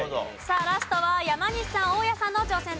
さあラストは山西さん大家さんの挑戦です。